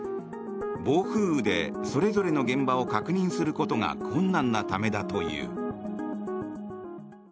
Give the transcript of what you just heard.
暴風雨でそれぞれの現場を確認することが困難なためだという。